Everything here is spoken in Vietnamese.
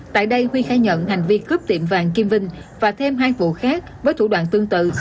tại đây huy khai nhận hành vi cướp tiệm vàng kim vinh và thêm hai vụ khác với thủ đoạn tương tự